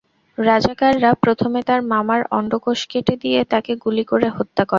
রাজাকাররা প্রথমে তাঁর মামার অণ্ডকোষ কেটে দিয়ে তাঁকে গুলি করে হত্যা করে।